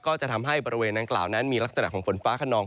ก็จะทำให้บริเวณดังกล่าวนั้นมีลักษณะของฝนฟ้าขนอง